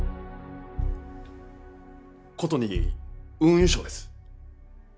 ことに運輸省です。